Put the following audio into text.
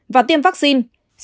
và tiêm vaccine